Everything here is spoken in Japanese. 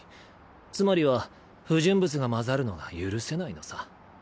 つまりは不純物が混ざるのが許せないのさ。